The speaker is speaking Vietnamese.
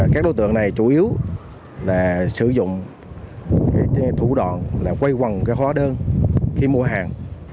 các đối tượng này chủ yếu là sử dụng thủ đoạn là quay quần hóa đơn khi mua hàng